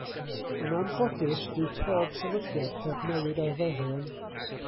Yn anffodus, dyw pob sefydliad heb newid arferion.